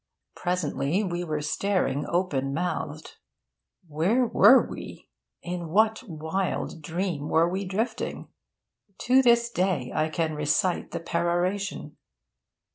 Presently we were staring open mouthed. Where were we? In what wild dream were we drifting? To this day I can recite the peroration.